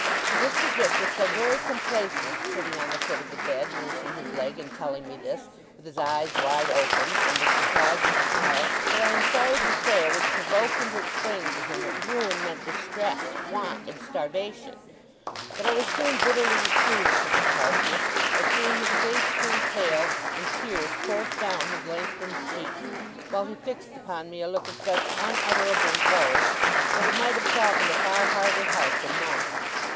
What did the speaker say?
Mr. Dick was so very complacent, sitting on the foot of the bed, nursing his leg, and telling me this, with his eyes wide open and a surprised smile, that I am sorry to say I was provoked into explaining to him that ruin meant distress, want, and starvation; but I was soon bitterly reproved for this harshness, by seeing his face turn pale, and tears course down his lengthened cheeks, while he fixed upon me a look of such unutterable woe, that it might have softened a far harder heart than mine.